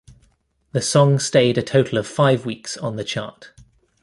The song stayed a total of five weeks on the chart.